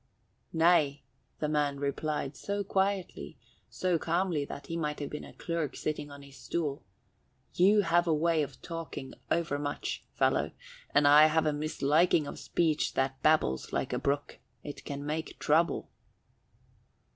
"Nay," the man replied, so quietly, so calmly that he might have been a clerk sitting on his stool, "you have a way of talking overmuch, fellow, and I have a misliking of speech that babbles like a brook. It can make trouble."